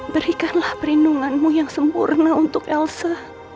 berikanlah perlindunganmu yang sempurna untuk elsa